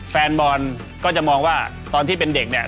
แฟนบอลก็จะมองว่าตอนที่เป็นเด็กเนี่ย